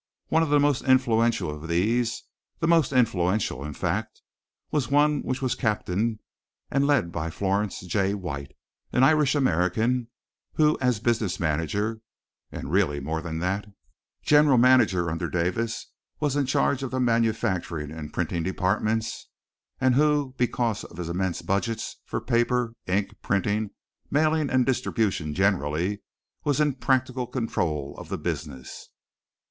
One of the most influential of these the most influential, in fact was one which was captained and led by Florence J. White, an Irish American, who as business manager (and really more than that, general manager under Davis) was in charge of the manufacturing and printing departments, and who because of his immense budgets for paper, ink, printing, mailing and distribution generally, was in practical control of the business.